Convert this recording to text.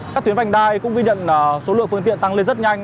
các tuyến vành đai cũng ghi nhận số lượng phương tiện tăng lên rất nhanh